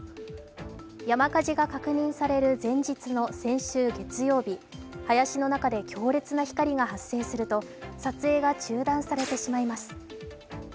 山火事が確認される前日の先週月曜日、林の中で強烈な光が発生すると撮影が中断されてしまいます。